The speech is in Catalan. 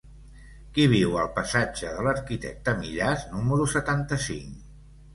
Qui viu al passatge de l'Arquitecte Millàs número setanta-cinc?